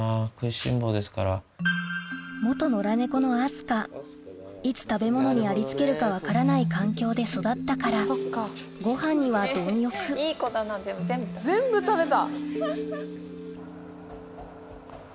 野良猫の明日香いつ食べ物にありつけるか分からない環境で育ったからごはんには貪欲全部食べた！